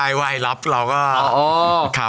ผมจะมีรูปภาพของพระพิสุนุกรรม